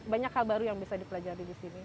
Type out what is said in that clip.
banyak hal baru yang bisa dipelajari di sini